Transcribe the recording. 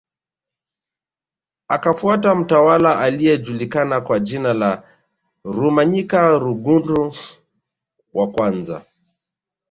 Akafuata mtawala aliyejulikana kwa jina la Rumanyika Rugundu wa kwamza